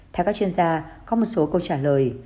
theo các chuyên gia có một số câu trả lời